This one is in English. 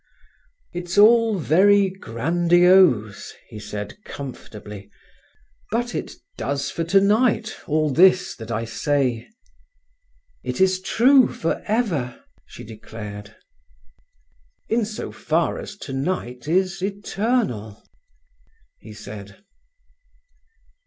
"It's all very grandiose," he said comfortably, "but it does for tonight, all this that I say." "It is true for ever," she declared. "In so far as tonight is eternal," he said.